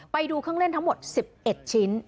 ไปดูเครื่องเล่นทั้งหมด๑๑ชิ้น